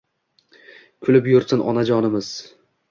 Kulib yursin onajonimiz